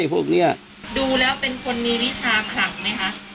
พวกนี้ดูแล้วเป็นคนมีวิชาคลังไหมคะ